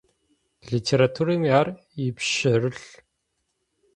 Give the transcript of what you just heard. Литературэми ар ипшъэрылъ.